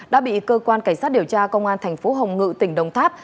đã bị cơ quan cảnh sát điều tra công an thành phố hồng ngự tỉnh đồng tháp